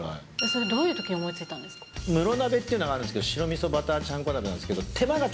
それどういうときに思いついムロ鍋っていうのがあるんですけど、白みそバターちゃんこ鍋なんですけど。